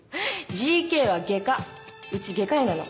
ＧＫは外科うち外科医なの。